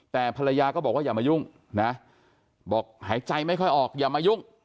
แต่ภรรยาก็บอกว่าอย่ามายุ่งนะบอกหายใจไม่ค่อยออกอย่ามายุ่ง